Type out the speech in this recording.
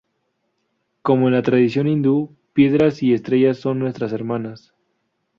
Como en la tradición hindú, piedras y estrellas son nuestras hermanas.